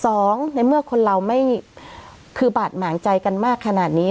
สองในเมื่อคนเราไม่คือบาดหมางใจกันมากขนาดนี้